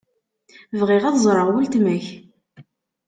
Bɣiɣ ad ẓreɣ weltma-k.